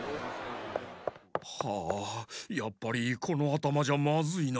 はあやっぱりこのあたまじゃまずいな。